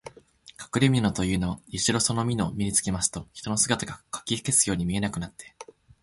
かくれみのというのは、一度そのみのを身につけますと、人の姿がかき消すように見えなくなって、